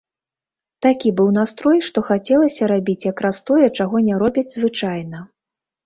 Такі быў настрой, што хацелася рабіць якраз тое, чаго не робяць звычайна.